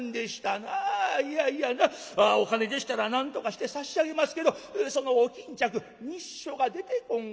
いやいやなお金でしたらなんとかして差し上げますけどそのお巾着密書が出てこん